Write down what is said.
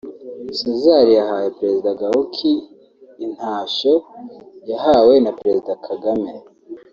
Cesar yahaye Perezida Gauk intashyo yahawe na Perezida Kgame